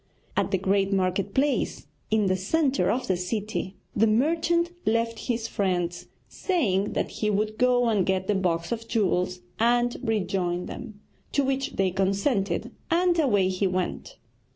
At the great market place in the centre of the city the merchant left his friends, saying that he would go and get the box of jewels and rejoin them, to which they consented, and away he went.